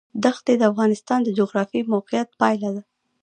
دښتې د افغانستان د جغرافیایي موقیعت پایله ده.